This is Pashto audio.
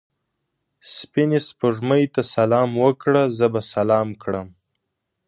سپینې سپوږمۍ ته سلام وکړه؛ زه به سلام کړم.